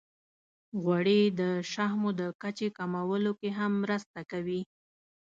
غوړې د شحمو د کچې کمولو کې هم مرسته کوي.